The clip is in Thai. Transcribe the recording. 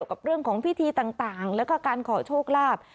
เกี่ยวกับเรื่องของพิธีต่างและการขอโชคลาภ